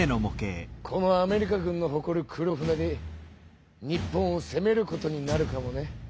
このアメリカ軍のほこる黒船で日本をせめることになるかもね。